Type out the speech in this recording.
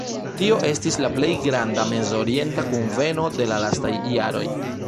Tio estis la plej granda Mezorienta Kunveno de la lastaj jaroj.